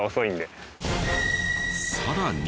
さらに。